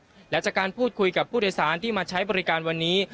หลังจากการพูดคุยกับผู้โดยสารที่มาใช้บริการวันนี้